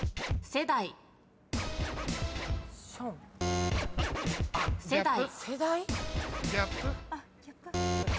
世代？世代。